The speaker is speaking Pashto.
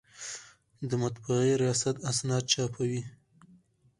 د مطبعې ریاست اسناد چاپوي